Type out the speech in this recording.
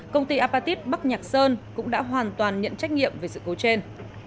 công ty apatit bắc nhạc sơn cũng đã hoàn toàn nhận trách nhiệm về sự cố trên